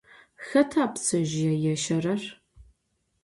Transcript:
Xeta ptsezjıê yêşşerer?